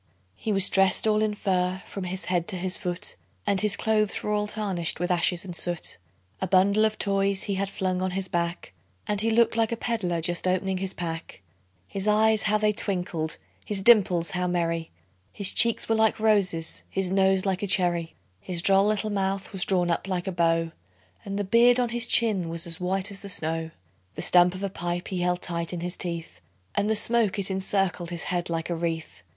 He was dressed all in fur from his head to his foot, And his clothes were all tarnished with ashes and soot; A bundle of toys he had flung on his back, And he looked like a peddler just opening his pack; His eyes how they twinkled! his dimples how merry! His cheeks were like roses, his nose like a cherry; His droll little mouth was drawn up like a bow, And the beard on his chin was as white as the snow; The stump of a pipe he held tight in his teeth, And the smoke, it encircled his head like a wreath.